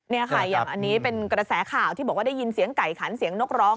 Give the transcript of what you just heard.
นี่ค่ะอย่างอันนี้เป็นกระแสข่าวที่บอกว่าได้ยินเสียงไก่ขันเสียงนกร้อง